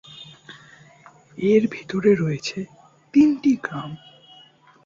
এর ভেতরে রয়েছে তিনটি গ্লাস।